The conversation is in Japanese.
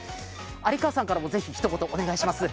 有川さんからもぜひひと言お願いします。